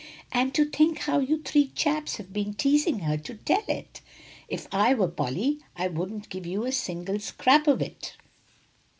And to think how you three chaps have been teasing her to tell it! If I were Polly, I wouldn't give you a single scrap of it."